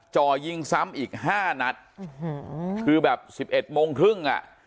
จอยิงซ้ำอีก๕นัทคือแบบ๑๑โมงครึ่งอ่ะ